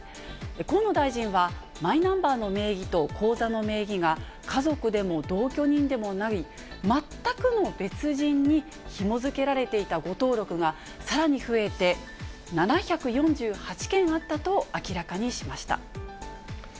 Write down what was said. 河野大臣は、マイナンバーの名義と口座の名義が、家族でも同居人でもない、全くの別人にひも付けられていた誤登録が、さらに増えて、７４８件あったと明らかにしました。